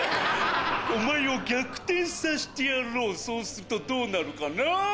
お前を逆転さしてやろうそうするとどうなるかな。